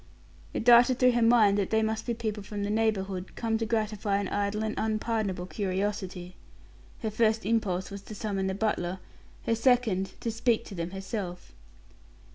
It darted through her mind that they must be people from the neighborhood, come to gratify an idle and unpardonable curiosity. Her first impulse was to summon the butler; her second, to speak to them herself.